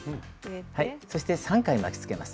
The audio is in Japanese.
そして３回巻きつけます。